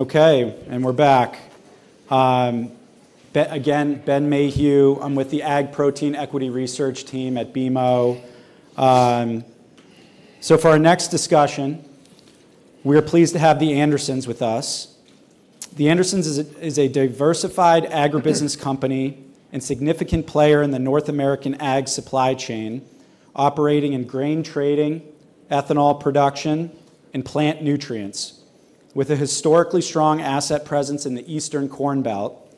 Okay, and we're back. Again, Ben Mayhew. I'm with the Ag/Protein Equity Research Team at BMO. For our next discussion, we are pleased to have The Andersons with us. The Andersons is a diversified agribusiness company and significant player in the North American ag supply chain, operating in grain trading, ethanol production, and plant nutrients, with a historically strong asset presence in the Eastern Corn Belt,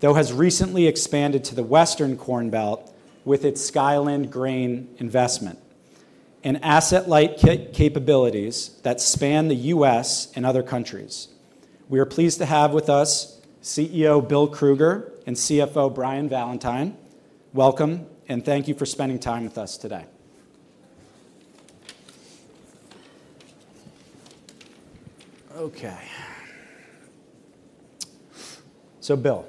though has recently expanded to the Western Corn Belt with its Skyland Grain investment and asset-light capabilities that span the U.S. and other countries. We are pleased to have with us CEO Bill Krueger and CFO Brian Valentine. Welcome, and thank you for spending time with us today. Okay. Bill.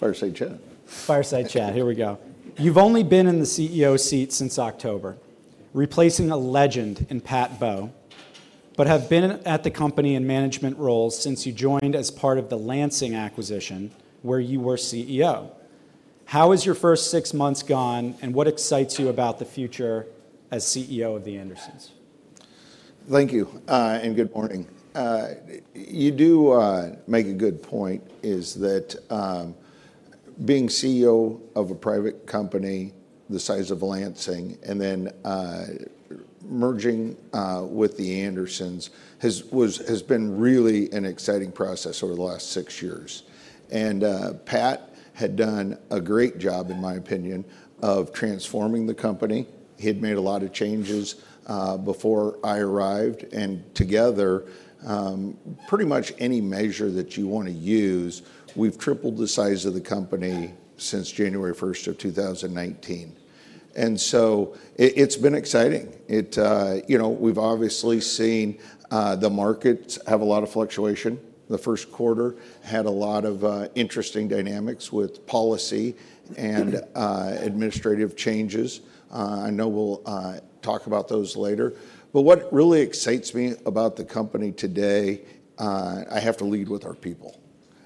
Fireside chat. Fireside chat. Here we go. You've only been in the CEO seat since October, replacing a legend in Pat Bowe, but have been at the company in management roles since you joined as part of the Lansing acquisition, where you were CEO. How has your first six months gone, and what excites you about the future as CEO of The Andersons? Thank you, and good morning. You do make a good point, is that being CEO of a private company the size of Lansing and then merging with The Andersons has been really an exciting process over the last six years. Pat had done a great job, in my opinion, of transforming the company. He had made a lot of changes before I arrived, and together, pretty much any measure that you want to use, we've tripled the size of the company since January 1st, 2019. It has been exciting. We've obviously seen the markets have a lot of fluctuation. The first quarter had a lot of interesting dynamics with policy and administrative changes. I know we'll talk about those later. What really excites me about the company today, I have to lead with our people.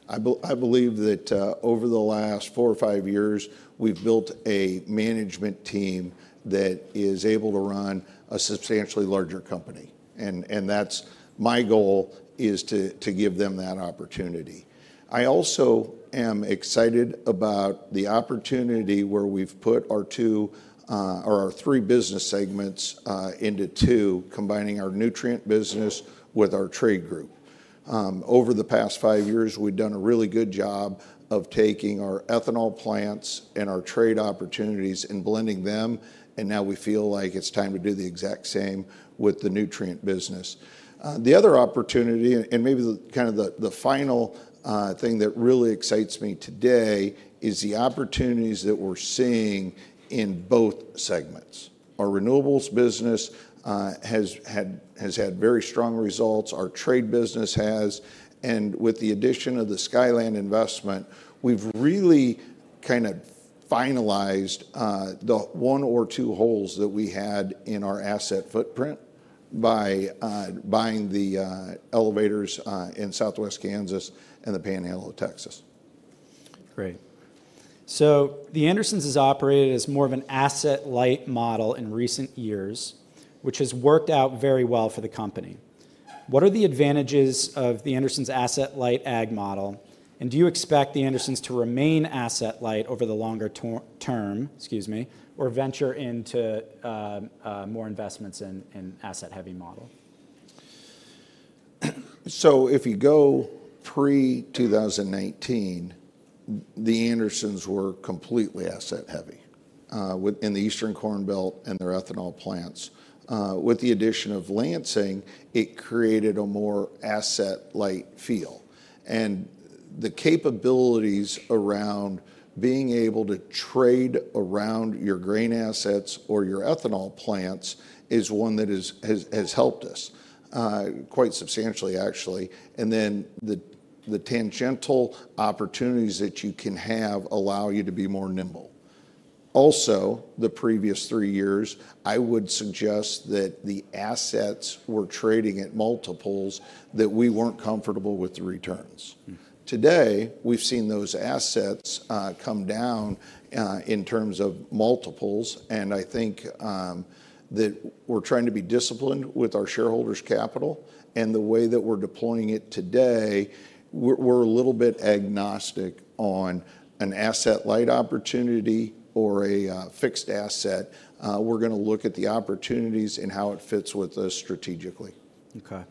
I believe that over the last four or five years, we've built a management team that is able to run a substantially larger company. That is my goal, to give them that opportunity. I also am excited about the opportunity where we've put our three business segments into two, combining our nutrient business with our trade group. Over the past five years, we've done a really good job of taking our ethanol plants and our trade opportunities and blending them, and now we feel like it's time to do the exact same with the nutrient business. The other opportunity, and maybe kind of the final thing that really excites me today, is the opportunities that we're seeing in both segments. Our renewables business has had very strong results, our trade business has, and with the addition of the Skyland investment, we have really kind of finalized the one or two holes that we had in our asset footprint by buying the elevators in Southwest Kansas and the Panhandle of Texas. Great. The Andersons has operated as more of an asset-light model in recent years, which has worked out very well for the company. What are the advantages of The Andersons' asset-light ag model, and do you expect The Andersons to remain asset-light over the longer term, excuse me, or venture into more investments in an asset-heavy model? If you go pre-2019, The Andersons were completely asset-heavy in the Eastern Corn Belt and their ethanol plants. With the addition of Lansing, it created a more asset-light feel. The capabilities around being able to trade around your grain assets or your ethanol plants is one that has helped us quite substantially, actually. The tangential opportunities that you can have allow you to be more nimble. The previous three years, I would suggest that the assets were trading at multiples that we were not comfortable with the returns. Today, we have seen those assets come down in terms of multiples, and I think that we are trying to be disciplined with our shareholders' capital. The way that we are deploying it today, we are a little bit agnostic on an asset-light opportunity or a fixed asset. We're going to look at the opportunities and how it fits with us strategically. Okay.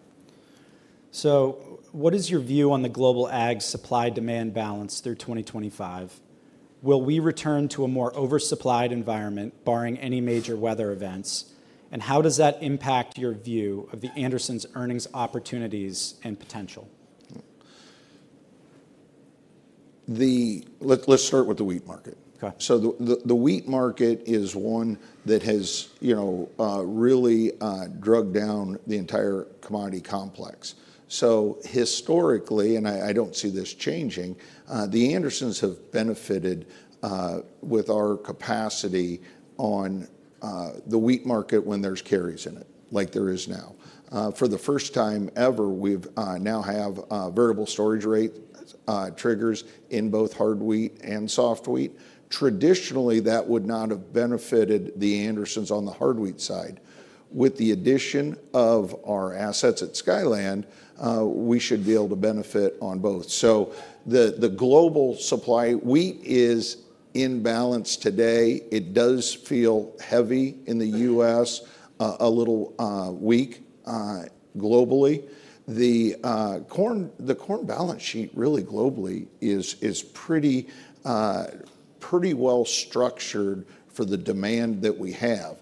What is your view on the global ag supply-demand balance through 2025? Will we return to a more oversupplied environment, barring any major weather events? How does that impact your view of The Andersons' earnings opportunities and potential? Let's start with the wheat market. The wheat market is one that has really drugged down the entire commodity complex. Historically, and I don't see this changing, The Andersons have benefited with our capacity on the wheat market when there's carries in it, like there is now. For the first time ever, we now have variable storage rate triggers in both hard wheat and soft wheat. Traditionally, that would not have benefited The Andersons on the hard wheat side. With the addition of our assets at Skyland, we should be able to benefit on both. The global supply wheat is in balance today. It does feel heavy in the U.S., a little weak globally. The corn balance sheet really globally is pretty well structured for the demand that we have.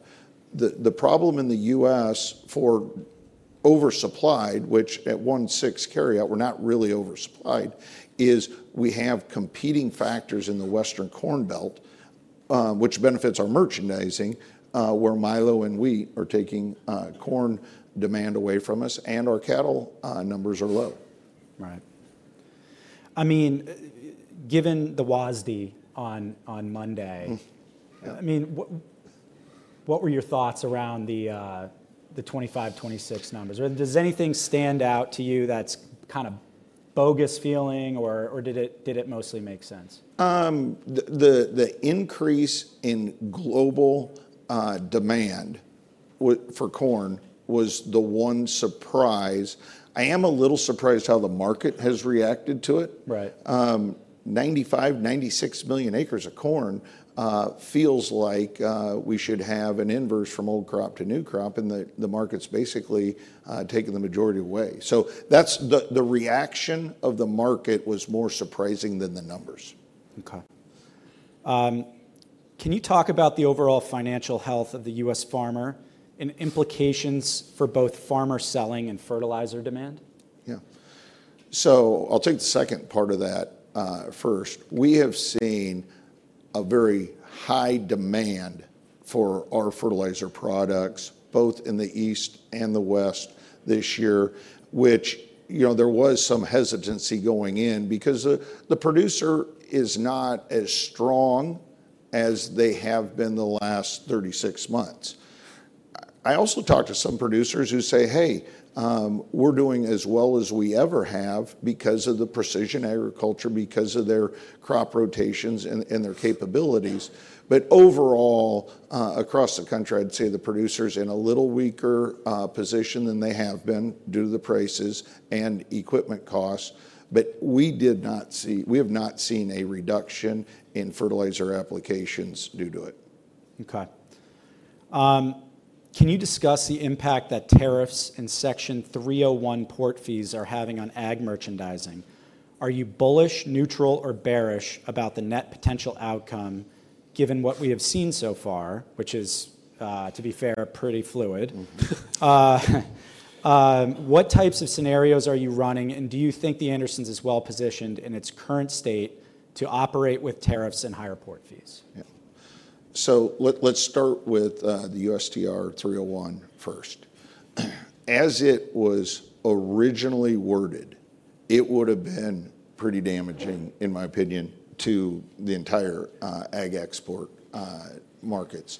The problem in the U.S. For oversupplied, which at one-sixth carryout, we're not really oversupplied, is we have competing factors in the Western Corn Belt, which benefits our merchandising, where milo and wheat are taking corn demand away from us, and our cattle numbers are low. Right. I mean, given the WASDE on Monday, I mean, what were your thoughts around the 2025, 2026 numbers? Does anything stand out to you that's kind of bogus feeling, or did it mostly make sense? The increase in global demand for corn was the one surprise. I am a little surprised how the market has reacted to it. 95, 96 million acres of corn feels like we should have an inverse from old crop to new crop, and the market's basically taking the majority away. The reaction of the market was more surprising than the numbers. Okay. Can you talk about the overall financial health of the U.S. farmer and implications for both farmer selling and fertilizer demand? Yeah. I'll take the second part of that first. We have seen a very high demand for our fertilizer products, both in the East and the West this year, which there was some hesitancy going in because the producer is not as strong as they have been the last 36 months. I also talked to some producers who say, "Hey, we're doing as well as we ever have because of the precision agriculture, because of their crop rotations and their capabilities." Overall, across the country, I'd say the producer's in a little weaker position than they have been due to the prices and equipment costs. We have not seen a reduction in fertilizer applications due to it. Okay. Can you discuss the impact that tariffs and Section 301 port fees are having on ag merchandising? Are you bullish, neutral, or bearish about the net potential outcome, given what we have seen so far, which is, to be fair, pretty fluid? What types of scenarios are you running, and do you think The Andersons is well positioned in its current state to operate with tariffs and higher port fees? Yeah. Let's start with the USTR 301 first. As it was originally worded, it would have been pretty damaging, in my opinion, to the entire ag export markets.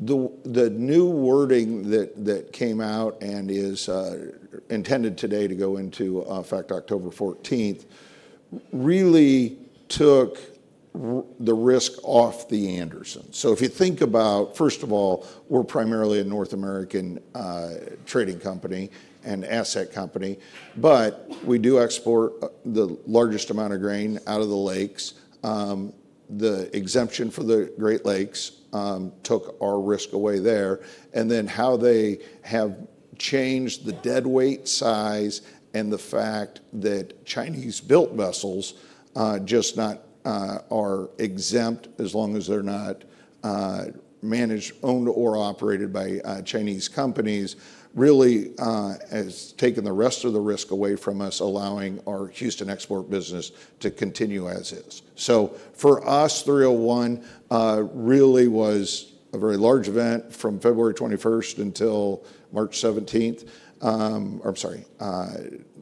The new wording that came out and is intended today to go into effect October 14th really took the risk off The Andersons. If you think about, first of all, we're primarily a North American trading company and asset company, but we do export the largest amount of grain out of the lakes. The exemption for the Great Lakes took our risk away there. Then how they have changed the deadweight size and the fact that Chinese-built vessels just are exempt as long as they're not managed, owned, or operated by Chinese companies really has taken the rest of the risk away from us, allowing our Houston export business to continue as is. For us, 301 really was a very large event from February 21st until March 17th, or I'm sorry,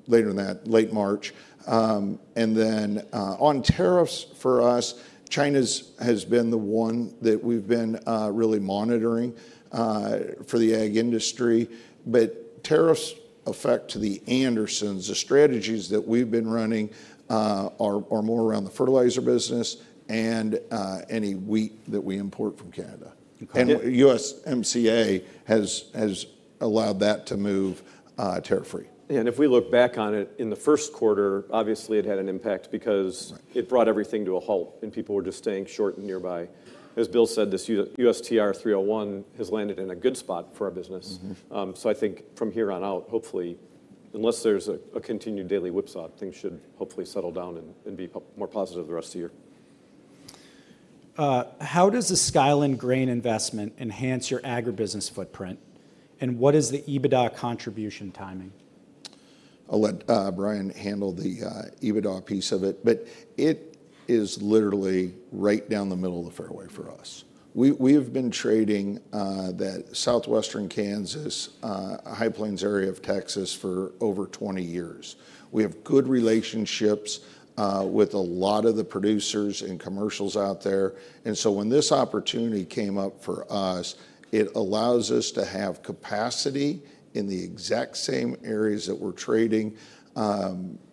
later than that, late March. On tariffs for us, China has been the one that we've been really monitoring for the ag industry. Tariffs affect The Andersons. The strategies that we've been running are more around the fertilizer business and any wheat that we import from Canada. USMCA has allowed that to move tariff-free. If we look back on it in the first quarter, obviously it had an impact because it brought everything to a halt, and people were just staying short nearby. As Bill said, this Section 301 has landed in a good spot for our business. I think from here on out, hopefully, unless there's a continued daily whipsaw, things should hopefully settle down and be more positive the rest of the year. How does the Skyland Grain investment enhance your agribusiness footprint, and what is the EBITDA contribution timing? I'll let Brian handle the EBITDA piece of it. It is literally right down the middle of the fairway for us. We have been trading that southwestern Kansas, High Plains area of Texas for over 20 years. We have good relationships with a lot of the producers and commercials out there. When this opportunity came up for us, it allows us to have capacity in the exact same areas that we're trading. Animal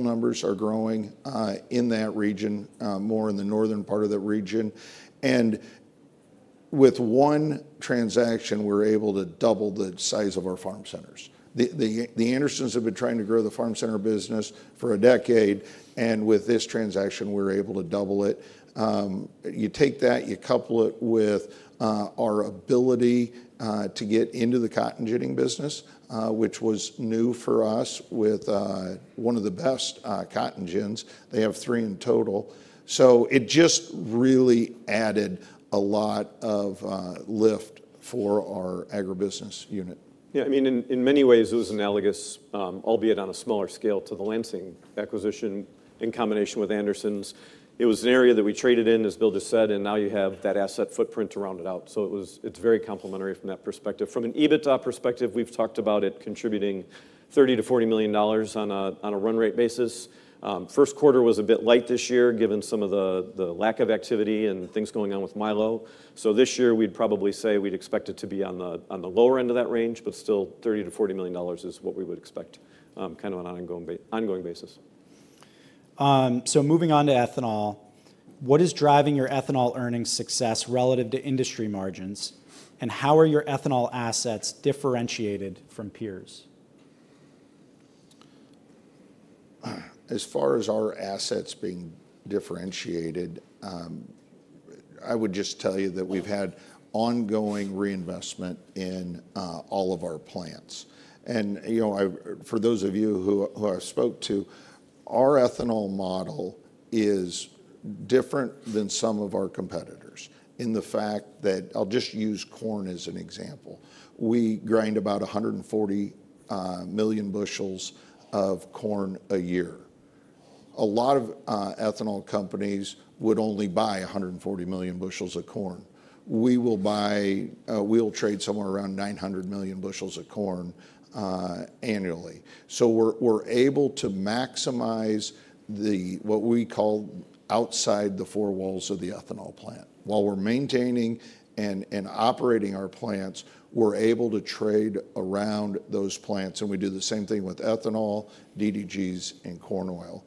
numbers are growing in that region, more in the northern part of the region. With one transaction, we're able to double the size of our farm centers. The Andersons have been trying to grow the farm center business for a decade, and with this transaction, we're able to double it. You take that, you couple it with our ability to get into the cotton ginning business, which was new for us with one of the best cotton gins. They have three in total. It just really added a lot of lift for our agribusiness unit. Yeah. I mean, in many ways, it was analogous, albeit on a smaller scale, to the Lansing acquisition in combination with Andersons. It was an area that we traded in, as Bill just said, and now you have that asset footprint to round it out. It is very complementary from that perspective. From an EBITDA perspective, we have talked about it contributing $30 million-$40 million on a run rate basis. First quarter was a bit light this year given some of the lack of activity and things going on with milo. This year, we would probably say we would expect it to be on the lower end of that range, but still $30 million-$40 million is what we would expect kind of on an ongoing basis. Moving on to ethanol, what is driving your ethanol earnings success relative to industry margins, and how are your ethanol assets differentiated from peers? As far as our assets being differentiated, I would just tell you that we've had ongoing reinvestment in all of our plants. For those of you who I spoke to, our ethanol model is different than some of our competitors in the fact that I'll just use corn as an example. We grind about 140 million bushels of corn a year. A lot of ethanol companies would only buy 140 million bushels of corn. We will trade somewhere around 900 million bushels of corn annually. We are able to maximize what we call outside the four walls of the ethanol plant. While we are maintaining and operating our plants, we are able to trade around those plants, and we do the same thing with ethanol, DDGs, and corn oil.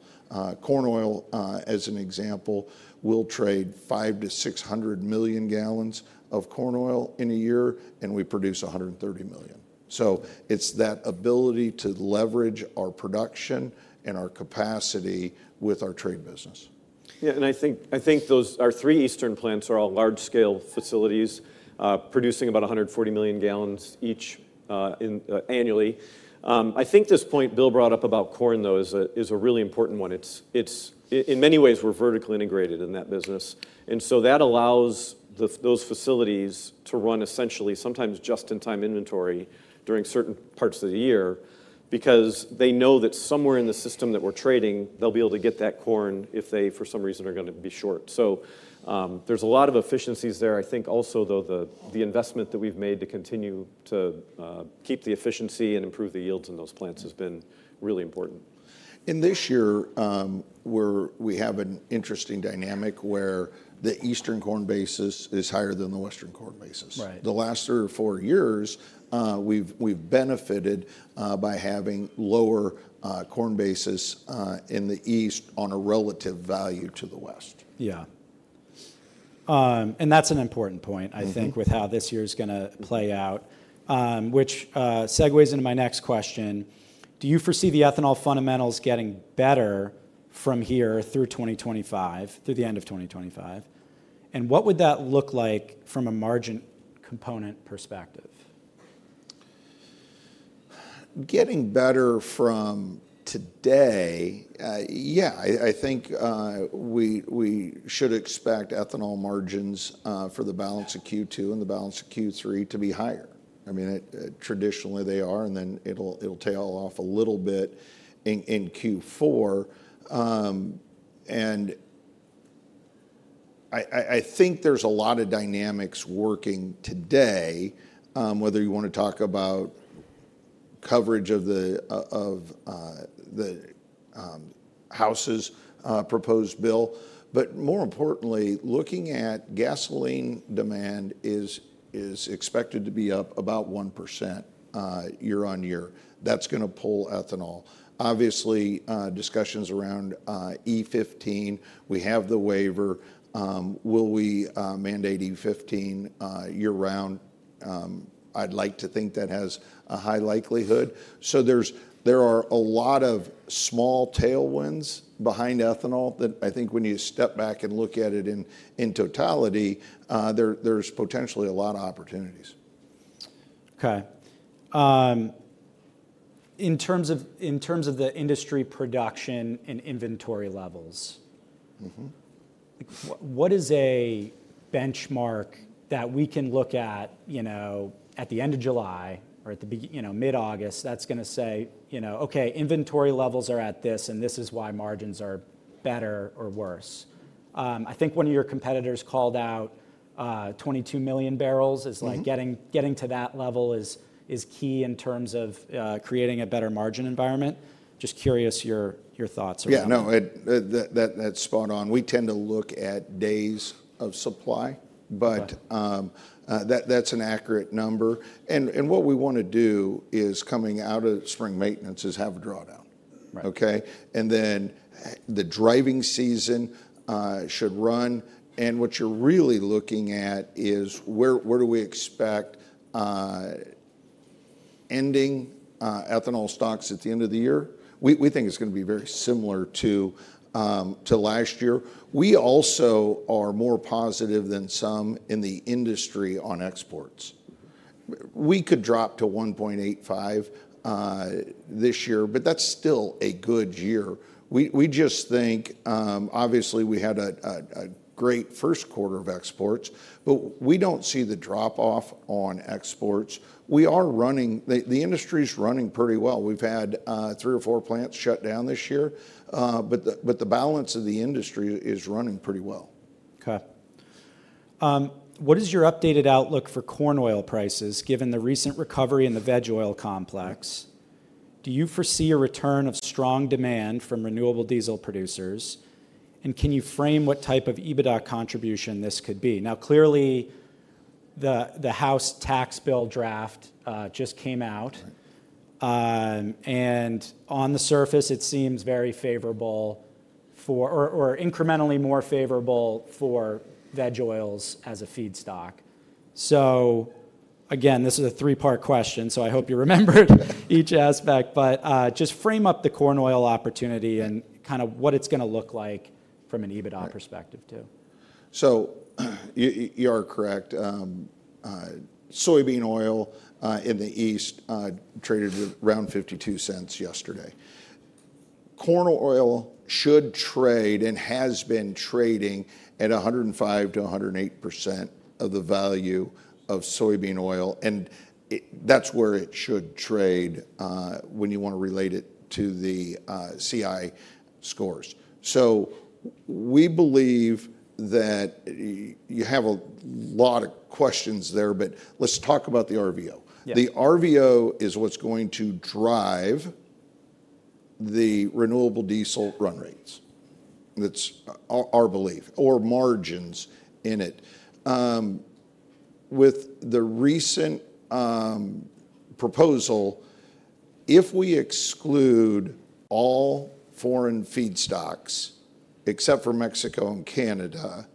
Corn oil, as an example, we'll trade 500 million-600 million gallons of corn oil in a year, and we produce 130 million. It is that ability to leverage our production and our capacity with our trade business. Yeah. I think our three Eastern plants are all large-scale facilities producing about 140 million gallons each annually. I think this point Bill brought up about corn, though, is a really important one. In many ways, we're vertically integrated in that business. That allows those facilities to run essentially sometimes just-in-time inventory during certain parts of the year because they know that somewhere in the system that we're trading, they'll be able to get that corn if they, for some reason, are going to be short. There's a lot of efficiencies there. I think also, though, the investment that we've made to continue to keep the efficiency and improve the yields in those plants has been really important. In this year, we have an interesting dynamic where the Eastern corn basis is higher than the Western corn basis. The last three or four years, we've benefited by having lower corn basis in the East on a relative value to the West. Yeah. That is an important point, I think, with how this year is going to play out, which segues into my next question. Do you foresee the ethanol fundamentals getting better from here through 2025, through the end of 2025? What would that look like from a margin component perspective? Getting better from today, yeah, I think we should expect ethanol margins for the balance of Q2 and the balance of Q3 to be higher. I mean, traditionally they are, and then it'll tail off a little bit in Q4. I think there's a lot of dynamics working today, whether you want to talk about coverage of the House's proposed bill. More importantly, looking at gasoline demand, it is expected to be up about 1% year-on-year. That's going to pull ethanol. Obviously, discussions around E15. We have the waiver. Will we mandate E15 year-round? I'd like to think that has a high likelihood. There are a lot of small tailwinds behind ethanol that I think when you step back and look at it in totality, there's potentially a lot of opportunities. Okay. In terms of the industry production and inventory levels, what is a benchmark that we can look at at the end of July or at the mid-August that's going to say, "Okay, inventory levels are at this, and this is why margins are better or worse"? I think one of your competitors called out 22 million barrels. It's like getting to that level is key in terms of creating a better margin environment. Just curious your thoughts around that. Yeah. No, that's spot on. We tend to look at days of supply, but that's an accurate number. What we want to do is coming out of spring maintenance is have a drawdown. Okay? The driving season should run. What you're really looking at is where do we expect ending ethanol stocks at the end of the year? We think it's going to be very similar to last year. We also are more positive than some in the industry on exports. We could drop to 1.85 this year, but that's still a good year. We just think, obviously, we had a great first quarter of exports, but we do not see the drop-off on exports. The industry's running pretty well. We've had three or four plants shut down this year, but the balance of the industry is running pretty well. Okay. What is your updated outlook for corn oil prices given the recent recovery in the veg oil complex? Do you foresee a return of strong demand from renewable diesel producers? Can you frame what type of EBITDA contribution this could be? Now, clearly, the house tax bill draft just came out, and on the surface, it seems very favorable for or incrementally more favorable for veg oils as a feedstock. This is a three-part question, so I hope you remember each aspect, but just frame up the corn oil opportunity and kind of what it's going to look like from an EBITDA perspective too. You are correct. Soybean oil in the East traded around $0.52 yesterday. Corn oil should trade and has been trading at 105%-108% of the value of soybean oil, and that's where it should trade when you want to relate it to the CI scores. We believe that you have a lot of questions there, but let's talk about the RVO. The RVO is what's going to drive the renewable diesel run rates. That's our belief or margins in it. With the recent proposal, if we exclude all foreign feedstocks except for Mexico and Canada,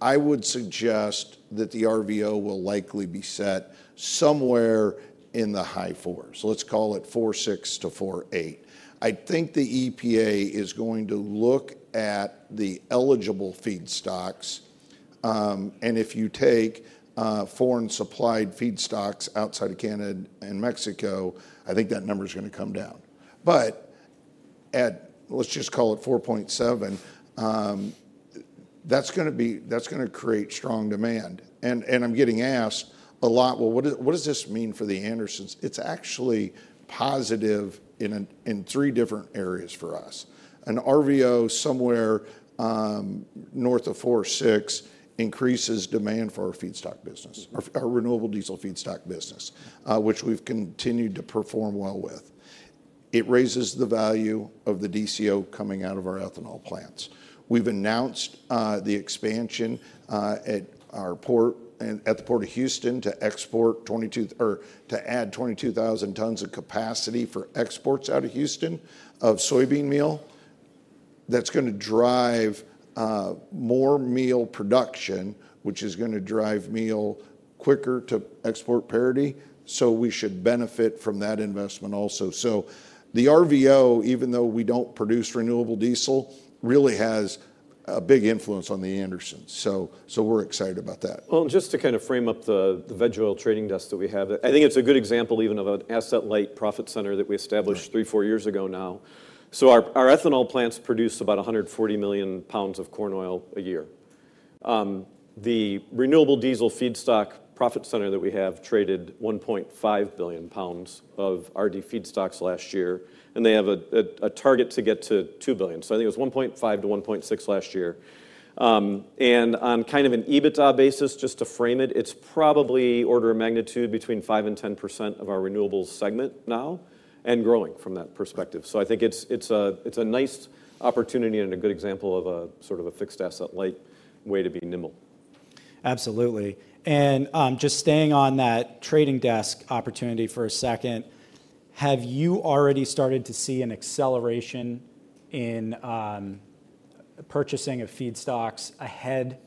I would suggest that the RVO will likely be set somewhere in the high fours. Let's call it 4.6-4.8. I think the EPA is going to look at the eligible feedstocks. If you take foreign-supplied feedstocks outside of Canada and Mexico, I think that number's going to come down. At, let's just call it 4.7, that's going to create strong demand. I'm getting asked a lot, "What does this mean for The Andersons?" It's actually positive in three different areas for us. An RVO somewhere north of 4.6 increases demand for our feedstock business, our renewable diesel feedstock business, which we've continued to perform well with. It raises the value of the DCO coming out of our ethanol plants. We've announced the expansion at the Port of Houston to add 22,000 tons of capacity for exports out of Houston of soybean meal. That's going to drive more meal production, which is going to drive meal quicker to export parity. We should benefit from that investment also. The RVO, even though we don't produce renewable diesel, really has a big influence on The Andersons. We're excited about that. Just to kind of frame up the veg oil trading desk that we have, I think it's a good example even of an asset-light profit center that we established three, four years ago now. Our ethanol plants produce about 140 million lbs of corn oil a year. The renewable diesel feedstock profit center that we have traded 1.5 billion lbs of RD feedstocks last year, and they have a target to get to 2 billion lbs. I think it was 1.5 billion-1.6 billion last year. On kind of an EBITDA basis, just to frame it, it's probably order of magnitude between 5%-10% of our renewables segment now and growing from that perspective. I think it's a nice opportunity and a good example of a sort of a fixed asset-light way to be nimble. Absolutely. Just staying on that trading desk opportunity for a second, have you already started to see an acceleration in purchasing of feedstocks ahead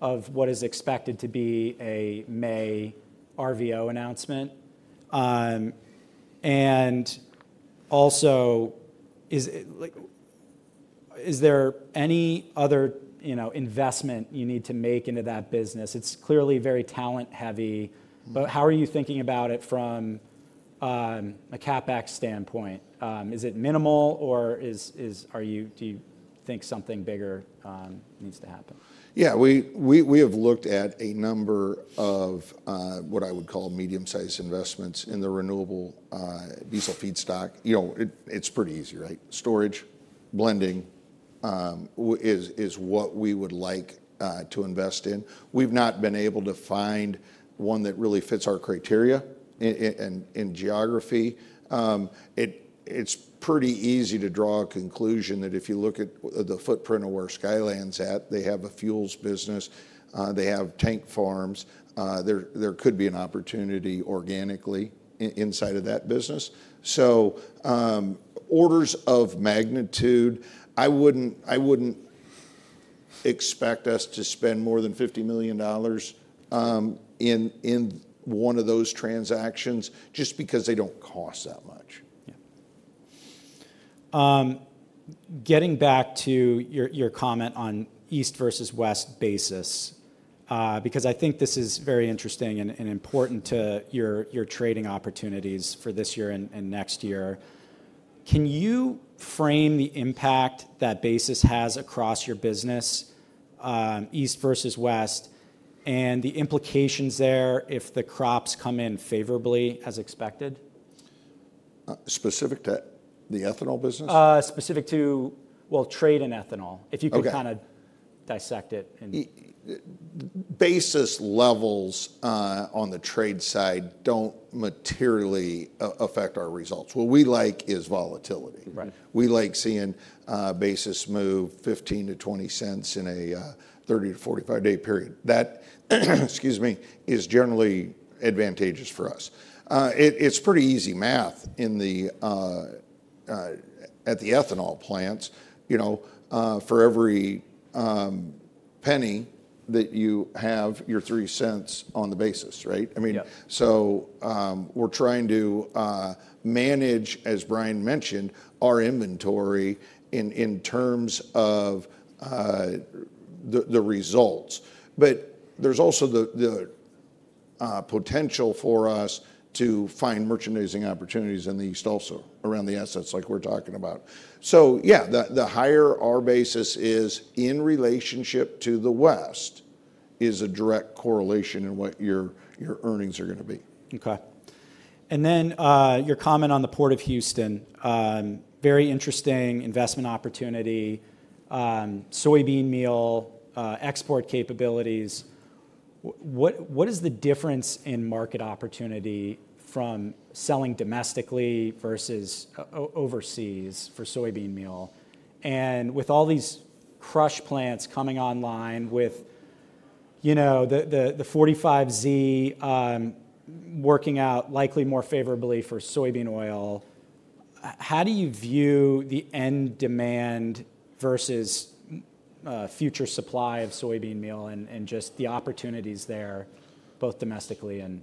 of what is expected to be a May RVO announcement? Also, is there any other investment you need to make into that business? It's clearly very talent-heavy, but how are you thinking about it from a CapEx standpoint? Is it minimal, or do you think something bigger needs to happen? Yeah. We have looked at a number of what I would call medium-sized investments in the renewable diesel feedstock. It's pretty easy, right? Storage, blending is what we would like to invest in. We've not been able to find one that really fits our criteria in geography. It's pretty easy to draw a conclusion that if you look at the footprint of where Skyland's at, they have a fuels business, they have tank farms, there could be an opportunity organically inside of that business. Orders of magnitude, I wouldn't expect us to spend more than $50 million in one of those transactions just because they don't cost that much. Yeah. Getting back to your comment on East versus West basis, because I think this is very interesting and important to your trading opportunities for this year and next year, can you frame the impact that basis has across your business, East versus West, and the implications there if the crops come in favorably as expected? Specific to the ethanol business? Specific to, trade in ethanol, if you could kind of dissect it. Basis levels on the trade side do not materially affect our results. What we like is volatility. We like seeing basis move $0.15-$0.20 in a 30-45 day period. That, excuse me, is generally advantageous for us. It is pretty easy math at the ethanol plants. For every penny that you have, you are $0.03 cents on the basis, right? I mean, we are trying to manage, as Brian mentioned, our inventory in terms of the results. There is also the potential for us to find merchandising opportunities in the East also around the assets like we are talking about. Yeah, the higher our basis is in relationship to the West is a direct correlation in what your earnings are going to be. Okay. Your comment on the Port of Houston, very interesting investment opportunity, soybean meal export capabilities. What is the difference in market opportunity from selling domestically versus overseas for soybean meal? With all these crush plants coming online with the 45Z working out likely more favorably for soybean oil, how do you view the end demand versus future supply of soybean meal and just the opportunities there, both domestically and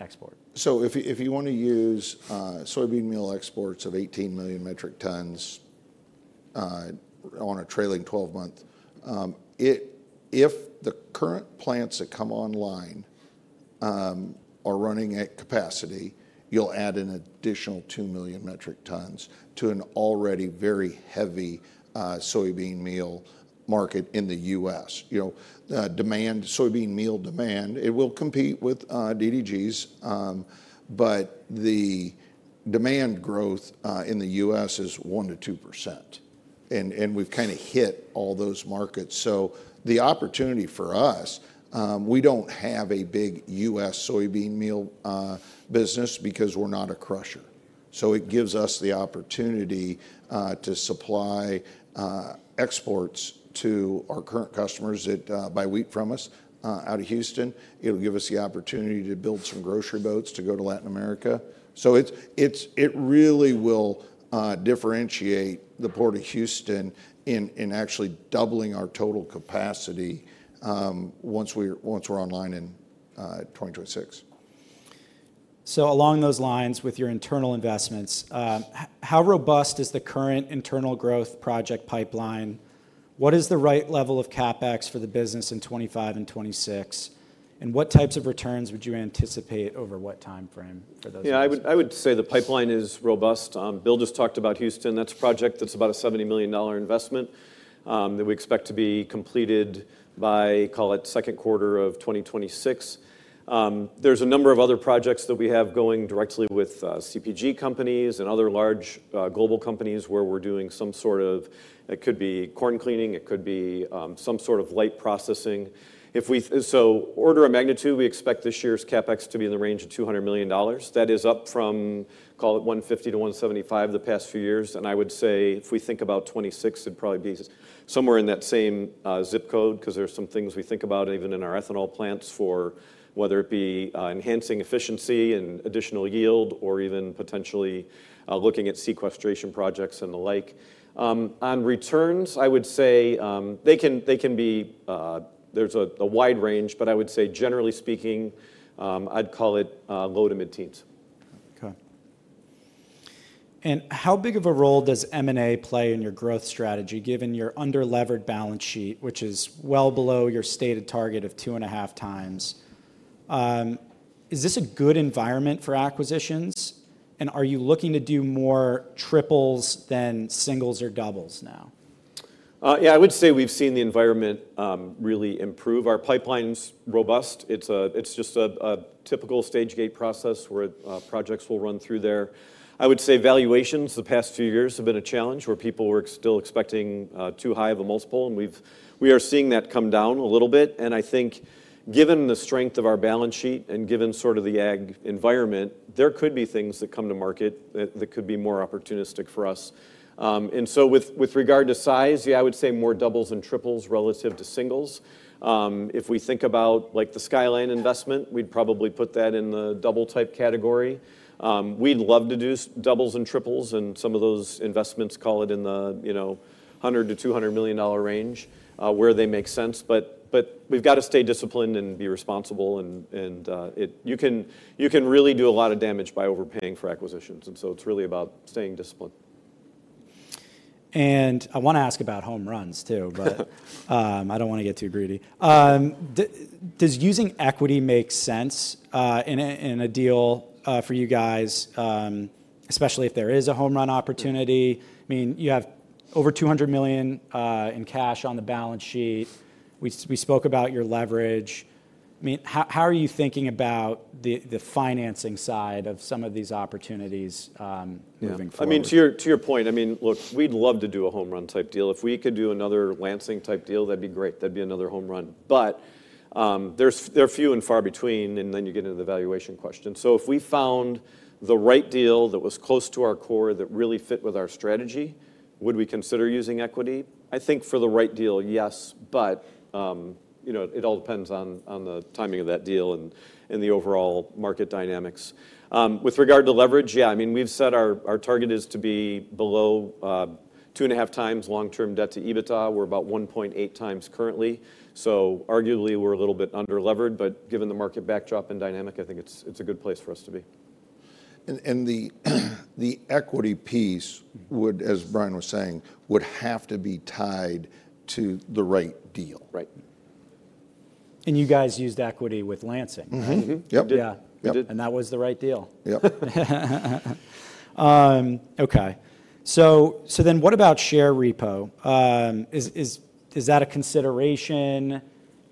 export? If you want to use soybean meal exports of 18 million metric tons on a trailing 12-month, if the current plants that come online are running at capacity, you'll add an additional 2 million metric tons to an already very heavy soybean meal market in the U.S. Soybean meal demand, it will compete with DDGs, but the demand growth in the U.S. is 1%-2%. We've kind of hit all those markets. The opportunity for us, we don't have a big U.S. soybean meal business because we're not a crusher. It gives us the opportunity to supply exports to our current customers that buy wheat from us out of Houston. It'll give us the opportunity to build some grocery boats to go to Latin America. It really will differentiate the Port of Houston in actually doubling our total capacity once we're online in 2026. Along those lines with your internal investments, how robust is the current internal growth project pipeline? What is the right level of CapEx for the business in 2025 and 2026? What types of returns would you anticipate over what timeframe for those? Yeah. I would say the pipeline is robust. Bill just talked about Houston. That's a project that's about a $70 million investment that we expect to be completed by, call it second quarter of 2026. There's a number of other projects that we have going directly with CPG companies and other large global companies where we're doing some sort of, it could be corn cleaning, it could be some sort of light processing. Order of magnitude, we expect this year's CapEx to be in the range of $200 million. That is up from, call it $150 million-$175 million the past few years. I would say if we think about 2026, it'd probably be somewhere in that same zip code because there are some things we think about even in our ethanol plants for whether it be enhancing efficiency and additional yield or even potentially looking at sequestration projects and the like. On returns, I would say they can be, there's a wide range, but I would say generally speaking, I'd call it low to mid-teens. Okay. How big of a role does M&A play in your growth strategy given your under-levered balance sheet, which is well below your stated target of 2.5x? Is this a good environment for acquisitions? Are you looking to do more triples than singles or doubles now? Yeah. I would say we've seen the environment really improve. Our pipeline's robust. It's just a typical stage gate process where projects will run through there. I would say valuations the past few years have been a challenge where people were still expecting too high of a multiple, and we are seeing that come down a little bit. I think given the strength of our balance sheet and given sort of the ag environment, there could be things that come to market that could be more opportunistic for us. With regard to size, yeah, I would say more doubles and triples relative to singles. If we think about the Skyland investment, we'd probably put that in the double-type category. We'd love to do doubles and triples and some of those investments, call it in the $100 million-$200 million range where they make sense. We have to stay disciplined and be responsible. You can really do a lot of damage by overpaying for acquisitions. It is really about staying disciplined. I want to ask about home runs too, but I don't want to get too greedy. Does using equity make sense in a deal for you guys, especially if there is a home run opportunity? I mean, you have over $200 million in cash on the balance sheet. We spoke about your leverage. I mean, how are you thinking about the financing side of some of these opportunities moving forward? I mean, to your point, I mean, look, we'd love to do a home run type deal. If we could do another Lansing type deal, that'd be great. That'd be another home run. But they're few and far between, and then you get into the valuation question. If we found the right deal that was close to our core that really fit with our strategy, would we consider using equity? I think for the right deal, yes, but it all depends on the timing of that deal and the overall market dynamics. With regard to leverage, yeah, I mean, we've set our target is to be below 2.5x long-term debt to EBITDA. We're about 1.8x currently. Arguably we're a little bit under-levered, but given the market backdrop and dynamic, I think it's a good place for us to be. The equity piece, as Brian was saying, would have to be tied to the right deal. Right. You guys used equity with Lansing, right? Yep. Yep. We did. That was the right deal. Yep. Okay. So then what about share repo? Is that a consideration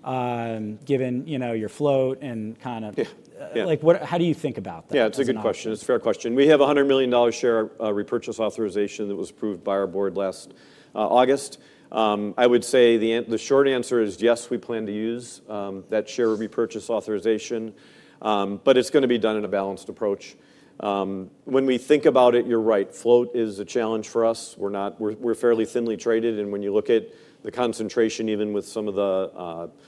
given your float and kind of? Yeah. How do you think about that? Yeah. It's a good question. It's a fair question. We have a $100 million share repurchase authorization that was approved by our board last August. I would say the short answer is yes, we plan to use that share repurchase authorization, but it's going to be done in a balanced approach. When we think about it, you're right. Float is a challenge for us. We're fairly thinly traded. When you look at the concentration, even with some of the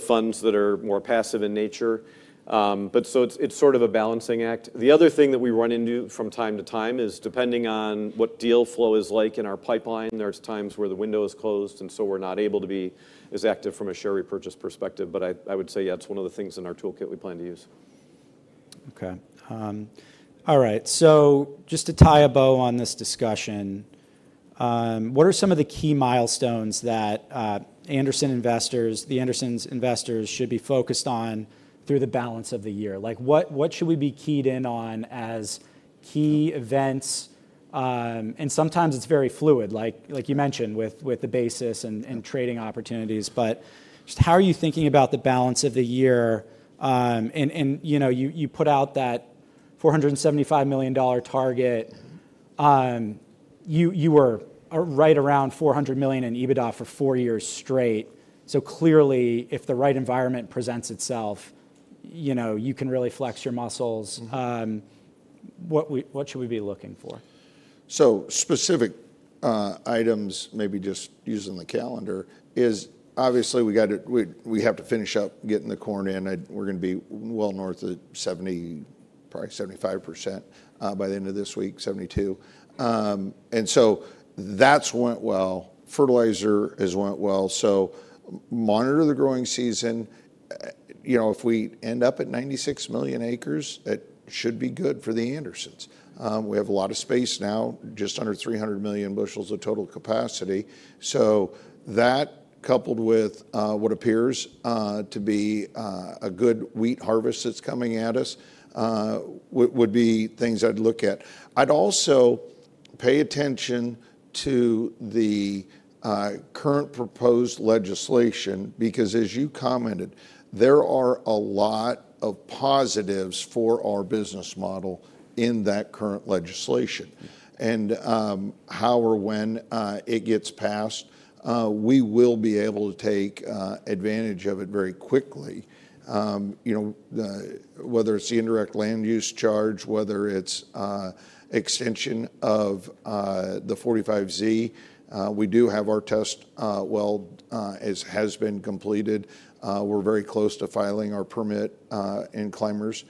funds that are more passive in nature, it's sort of a balancing act. The other thing that we run into from time to time is depending on what deal flow is like in our pipeline, there are times where the window is closed and we are not able to be as active from a share repurchase perspective. Yeah, it's one of the things in our toolkit we plan to use. Okay. All right. Just to tie a bow on this discussion, what are some of the key milestones that The Andersons investors should be focused on through the balance of the year? What should we be keyed in on as key events? Sometimes it is very fluid, like you mentioned with the basis and trading opportunities. Just how are you thinking about the balance of the year? You put out that $475 million target. You were right around $400 million in EBITDA for four years straight. Clearly, if the right environment presents itself, you can really flex your muscles. What should we be looking for? Specific items, maybe just using the calendar, is obviously we have to finish up getting the corn in. We're going to be well north of 70%, probably 75% by the end of this week, 72%. That has went well. Fertilizer has went well. Monitor the growing season. If we end up at 96 million acres, that should be good for The Andersons. We have a lot of space now, just under 300 million bushels of total capacity. That, coupled with what appears to be a good wheat harvest that's coming at us, would be things I'd look at. I'd also pay attention to the current proposed legislation because, as you commented, there are a lot of positives for our business model in that current legislation. How or when it gets passed, we will be able to take advantage of it very quickly. Whether it's the indirect land use charge, whether it's extension of the 45Z, we do have our test well as has been completed. We're very close to filing our permit in Climbers,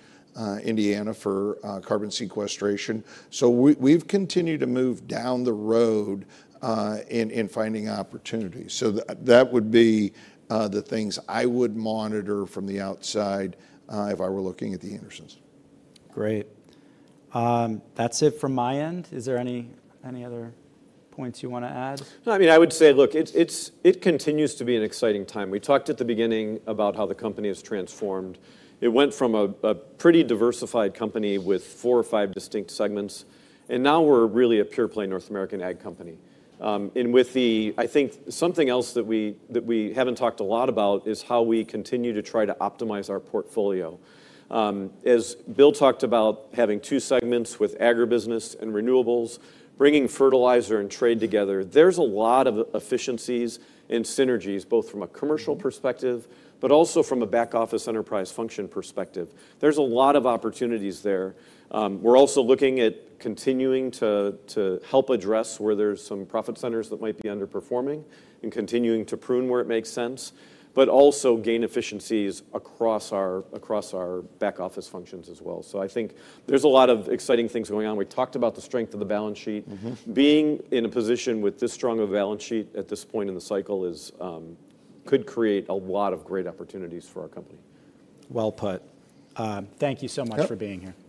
Indiana, for carbon sequestration. We've continued to move down the road in finding opportunities. That would be the things I would monitor from the outside if I were looking at The Andersons. Great. That's it from my end. Is there any other points you want to add? I mean, I would say, look, it continues to be an exciting time. We talked at the beginning about how the company has transformed. It went from a pretty diversified company with four or five distinct segments. Now we're really a pure-play North American ag company. I think something else that we haven't talked a lot about is how we continue to try to optimize our portfolio. As Bill talked about having two segments with agribusiness and renewables, bringing fertilizer and trade together, there's a lot of efficiencies and synergies, both from a commercial perspective, but also from a back-office enterprise function perspective. There's a lot of opportunities there. We're also looking at continuing to help address where there's some profit centers that might be underperforming and continuing to prune where it makes sense, but also gain efficiencies across our back-office functions as well. I think there's a lot of exciting things going on. We talked about the strength of the balance sheet. Being in a position with this strong of a balance sheet at this point in the cycle could create a lot of great opportunities for our company. Thank you so much for being here. Thanks.